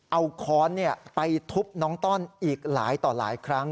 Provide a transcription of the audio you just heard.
เอาค้อนไปทุบน้องต้อนอีกหลายต่อหลายครั้ง